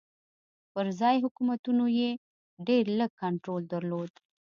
پر ځايي حکومتونو یې ډېر لږ کنټرول درلود.